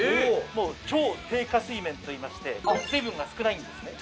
もう超低加水麺といいまして水分が少ないんですね。